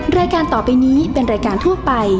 แม่บ้านประจันบรรย์